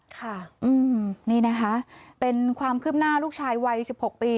ค่ะนี่นะคะเป็นความคืบหน้าลูกชายวัย๑๖ปี